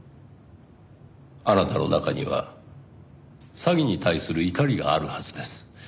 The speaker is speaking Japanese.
あなたの中には詐欺に対する怒りがあるはずです。